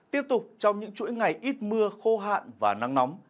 tiếp tục trong những chuỗi ngày ít mưa khô hạn và nắng nóng